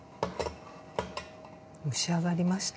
蒸し上がりました。